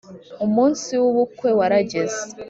umunsi w’ubukwe warageze